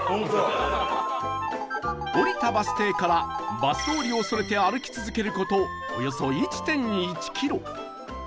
降りたバス停からバス通りをそれて歩き続ける事およそ １．１ キロ